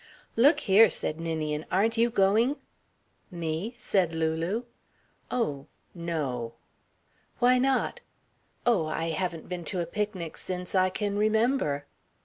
"Look here," said Ninian, "aren't you going?" "Me?" said Lulu. "Oh, no." "Why not?" "Oh, I haven't been to a picnic since I can remember."